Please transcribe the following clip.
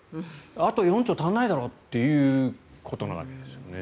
あと４兆足りないだろうっていうことなわけですよね。